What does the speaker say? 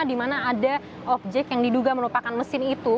dimana ada objek yang diduga merupakan mesin itu